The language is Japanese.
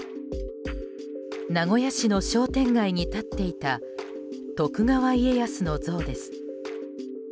名古屋市の商店街に立っていた徳川家康の像です。